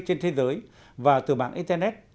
trên thế giới và từ mạng internet